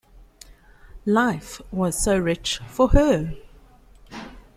Life was so rich for her.